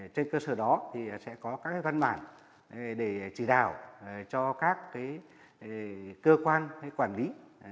trên cơ sở đó sẽ có các văn bản để chỉ đạo cho các cơ quan hay quản lý